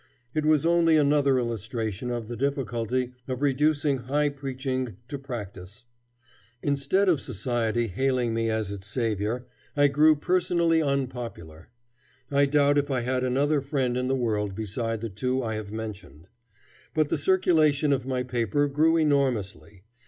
It was only another illustration of the difficulty of reducing high preaching to practice. Instead of society hailing me as its saviour, I grew personally unpopular. I doubt if I had another friend in the world beside the two I have mentioned. But the circulation of my paper grew enormously.